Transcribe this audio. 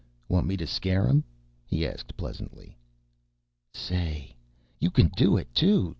"Want me to scare him?" he asked pleasantly. "Say! You can do it, too!"